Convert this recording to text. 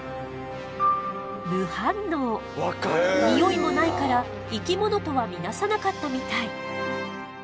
ニオイもないから生き物とは見なさなかったみたい。